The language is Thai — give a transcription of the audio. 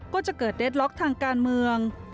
ก็จะเกิดเดทล็อกทางการเมือง